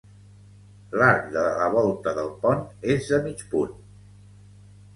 L'arc de la volta del pont és de mig punt.